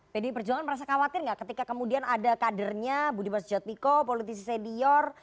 pd perjuangan merasa khawatir gak ketika kemudian ada kadernya budiman sujatmiko politisi senior